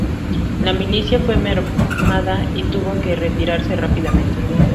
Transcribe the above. La milicia fue mermada, y tuvo que retirarse rápidamente.